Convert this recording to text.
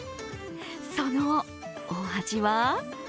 そのお味は？